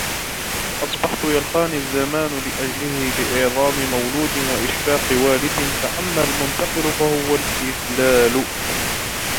فَأَصْبَحْت يَلْقَانِي الزَّمَانُ لِأَجْلِهِ بِإِعْظَامِ مَوْلُودٍ وَإِشْفَاقِ وَالِدِ فَأَمَّا الْمُنْتَقِلُ فَهُوَ الْإِدْلَالُ